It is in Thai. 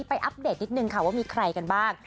อัปเดตนิดนึงค่ะว่ามีใครกันบ้าง